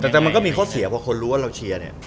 แต่มันก็มีข้อเสียพอคนรู้ว่าเราเชียร์เนี่ย